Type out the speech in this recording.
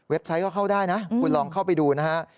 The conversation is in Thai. ไซต์ก็เข้าได้นะคุณลองเข้าไปดูนะฮะ